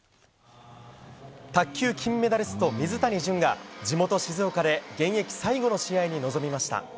卓球金メダリスト、水谷隼が地元・静岡で現役最後の試合に臨みました。